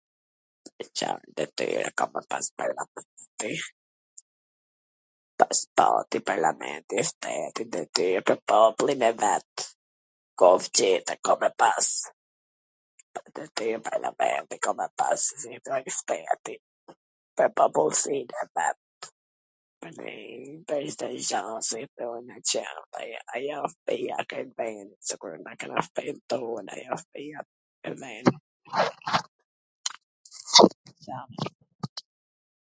Car detyr ka pwr t pas parlamenti... pwr popllin e vet